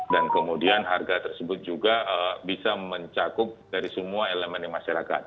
dan kemudian harga tersebut juga bisa mencakup dari semua elemen masyarakat